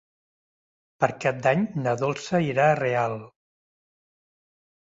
Per Cap d'Any na Dolça irà a Real.